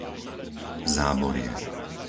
Záborie